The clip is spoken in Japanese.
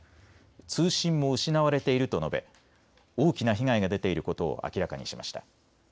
通信も失われていると述べ、大きな被害が出ていることを明らかにしました。